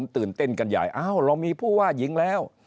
ตื่นเต้นกันใหญ่อ้าวเรามีผู้ว่าหญิงแล้ว